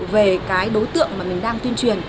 về cái đối tượng mà mình đang tuyên truyền